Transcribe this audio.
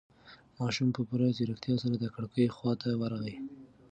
ماشوم په پوره ځيرکتیا سره د کړکۍ خواته ورغی.